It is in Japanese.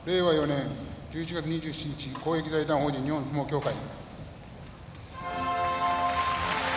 ４年１１月２７日公益財団法人日本相撲協会